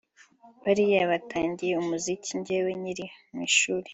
bariya batangiye umuziki njyewe nyiri mu ishuri